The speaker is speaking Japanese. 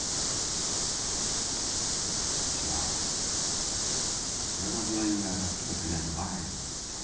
私はいろんな病院が助けてくれないとばかり思っていた。